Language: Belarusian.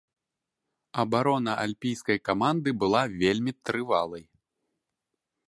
Абарона альпійскай каманды была вельмі трывалай.